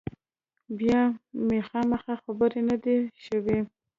بیا مخامخ خبرې نه دي شوي